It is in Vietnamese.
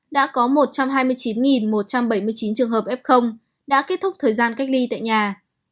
đã có một trăm hai mươi chín một trăm bảy mươi chín trường hợp f đã kết thúc thời gian cách ly tại nhà